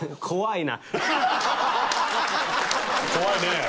怖いね。